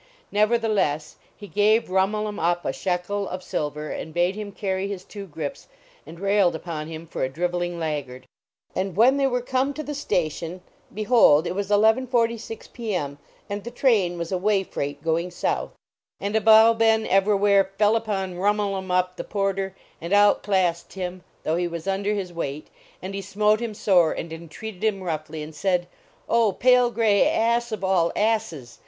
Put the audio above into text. Neverthe less he gave Rhumul em Uhp a shekel of sil ver and bade him carry his two grips, and railed upon him for a driveling laggard. And when they were come to the station, behold, it was 11:46 P. M., and the train was a way freight going south. And Abou Ben Evrawhair fell upon Rhum ul em Uhp the Porter and out classed him, though he was under his weight; and he smote him sore and entreated him roughly, and said : "Oh, pale gray ass of all asses!